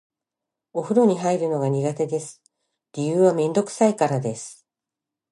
お風呂に入るのが苦手です。理由はめんどくさいからです。